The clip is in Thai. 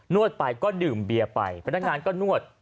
วดไปก็ดื่มเบียร์ไปพนักงานก็นวด